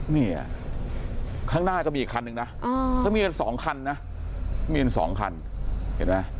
เนี่ยข้างหน้าก็มีอีกคันนึงนะเขามีกันสองคันนะมีกันสองคันเห็นไหม